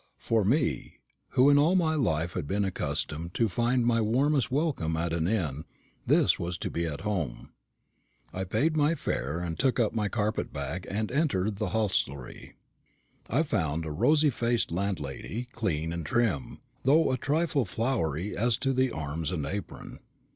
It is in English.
For me, who in all my life had been accustomed to find my warmest welcome at an inn, this was to be at home. I paid my fare, took up my carpet bag, and entered the hostelry. I found a rosy faced landlady, clean and trim, though a trifle floury as to the arms and apron.